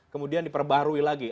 kemudian diperbarui lagi